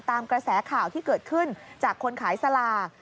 ตามกระแสข่าวที่เกิดขึ้นจากคนขายสลาก